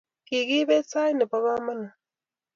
Kigibeet sait nebo kamanuut